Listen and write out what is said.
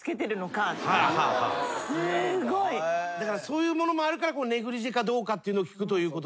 だからそういうものもあるからネグリジェかどうかっていうのを聞くということで。